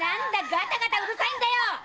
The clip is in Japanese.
ガタガタうるさいよ！